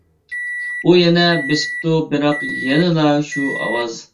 ئۇ يەنە بېسىپتۇ، بىراق يەنىلا شۇ ئاۋاز.